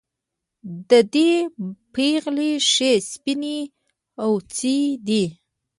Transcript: د دې پېغلې ښې سپينې واڅې دي